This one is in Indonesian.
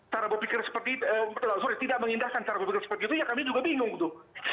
cara berpikir seperti sorry tidak mengindahkan cara berpikir seperti itu ya kami juga bingung gitu